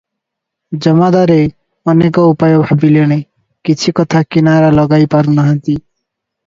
ଜମାଦାରେ ଅନେକ ଉପାୟ ଭାବିଲେଣି, କିଛି କଥା କିନାରା ଲଗାଇ ପାରୁ ନାହାନ୍ତି ।